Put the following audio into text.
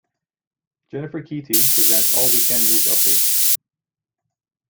Jennifer Keyte presents all weekend news updates.